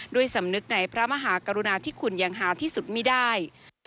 สำนึกในพระมหากรุณาที่คุณยังหาที่สุดไม่ได้